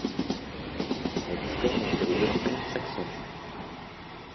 La discorde entre les deux frères s'accentue.